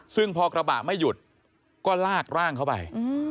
ซึ่งพอกระบะไม่หยุดก็ลากร่างเข้าไป